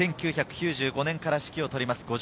１９９５年から指揮をとります